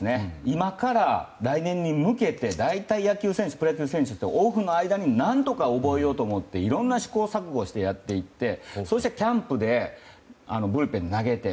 今から来年に向けて大体、プロ野球選手ってオフの間に何とか覚えようと思って試行錯誤をしてやっていって、そしてキャンプでブルペンで投げて。